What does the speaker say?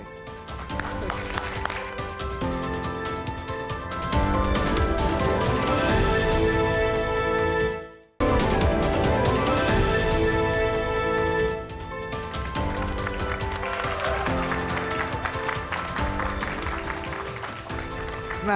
dengan senang hati